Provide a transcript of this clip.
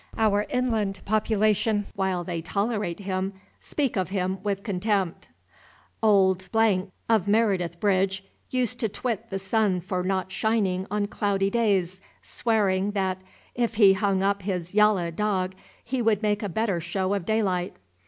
Our inland population, while they tolerate him, speak of him with contempt. Old ______, of Meredith Bridge, used to twit the sun for not shining on cloudy days, swearing, that, if he hung up his "yallah dog," he would make a better show of daylight.